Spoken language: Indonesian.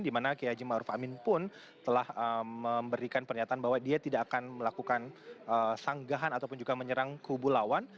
di mana kiai haji ma'ruf amin pun telah memberikan pernyataan bahwa dia tidak akan melakukan sanggahan ataupun juga menyerang kubu lawan